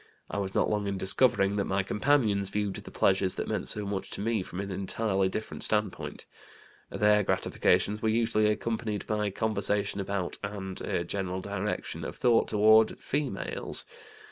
I was not long in discovering that my companions viewed the pleasures that meant so much to me from an entirely different standpoint. Their gratifications were usually accompanied by conversation about, and a general direction of thought toward, females.